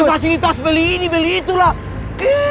bagi fasilitas beli ini beli itu lah